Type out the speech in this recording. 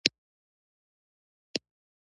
په ورځنیو لوبو کې د قوې د کارولو موارد پیداکړئ.